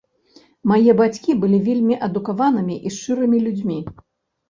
Мае бацькі былі вельмі адукаванымі і шчырымі людзьмі.